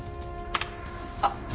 あっ。